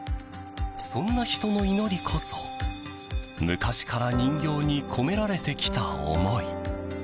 そんな人の祈りこそ昔から人形に込められてきた思い。